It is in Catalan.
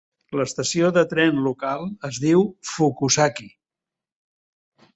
L'estació de tren local es diu Fukusaki.